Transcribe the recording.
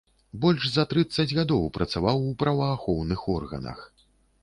Больш за трыццаць гадоў працаваў у праваахоўных органах.